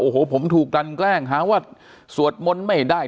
โอ้โหผมถูกกันแกล้งหาว่าสวดมนต์ไม่ได้